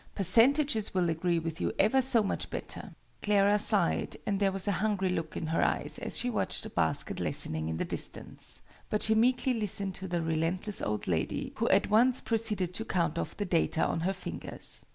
"Percentages will agree with you ever so much better!" Clara sighed, and there was a hungry look in her eyes as she watched the basket lessening in the distance: but she meekly listened to the relentless old lady, who at once proceeded to count off the data on her fingers.